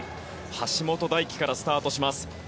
橋本大輝からスタートします。